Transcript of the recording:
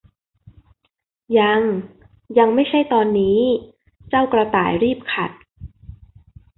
ยัง ยังไม่ใช่ตอนนี้ เจ้ากระต่ายรีบขัด